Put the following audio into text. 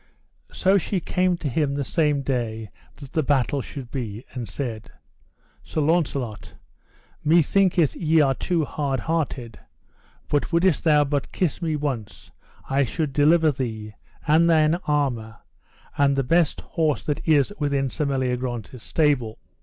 So she came to him the same day that the battle should be, and said: Sir Launcelot, methinketh ye are too hard hearted, but wouldest thou but kiss me once I should deliver thee, and thine armour, and the best horse that is within Sir Meliagrance's stable.